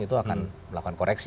itu akan melakukan koreksi